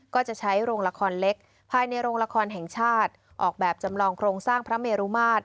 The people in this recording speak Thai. ก็จะใช้โรงละครเล็กภายในโรงละครแห่งชาติออกแบบจำลองโครงสร้างพระเมรุมาตร